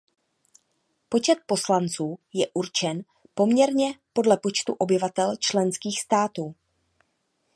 Počet poslanců je určen poměrně podle počtu obyvatel členských států.